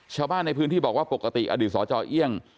ชาวบ้านในพื้นที่บอกว่าปกติอดีตสจเอี่ยง